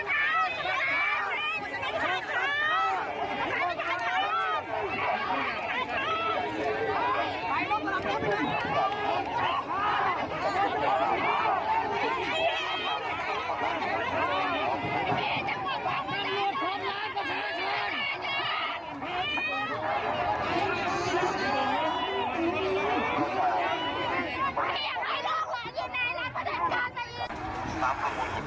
นัดรวมตัวชุมนุมกันเรียกร้องไปยังรัฐบาล๓ข้อ